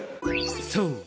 「そう！